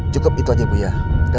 cukup itu aja ya